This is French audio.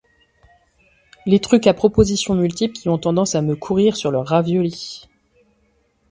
Les trucs à propositions multiples qui ont tendance à me courir sur le ravioli.